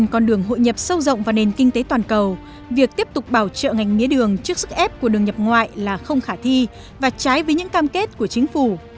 trong con đường hội nhập sâu rộng vào nền kinh tế toàn cầu việc tiếp tục bảo trợ ngành mía đường trước sức ép của đường nhập ngoại là không khả thi và trái với những cam kết của chính phủ